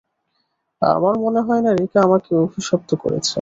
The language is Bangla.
আমার মনে হয় না রিকা আমাকে অভিশপ্ত করেছে।